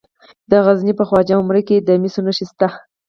د غزني په خواجه عمري کې د مسو نښې شته.